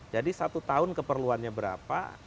jadi satu tahun keperluannya berapa